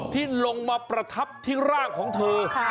ที่ลงมาประทับที่ร่างของเธอ